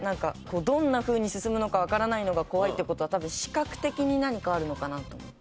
どんなふうに進むのかわからないのが怖いって事は多分視覚的に何かあるのかなと思って。